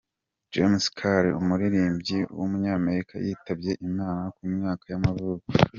James Carr, umuririmbyi w’umunyamerika yitabye Imana, ku myaka y’amavuko.